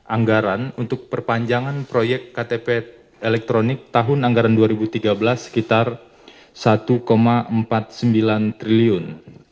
anggaran untuk perpanjangan proyek ktp elektronik tahun anggaran dua ribu tiga belas sekitar rp satu empat puluh sembilan triliun